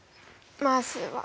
まずは。